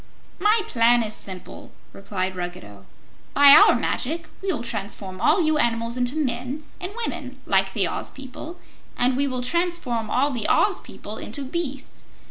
"My plan is simple," replied Ruggedo. "By our magic we will transform all you animals into men and women like the Oz people and we will transform all the Oz people into beasts.